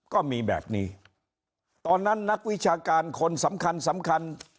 ก็มีแบบนี้ตอนนั้นนักวิชาการคนสำคัญสำคัญ